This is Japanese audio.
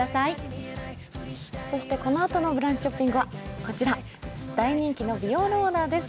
そしてこのあとの「ブランチショッピング」はこちら、大人気の美容ローラーです。